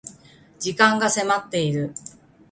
時間が迫っている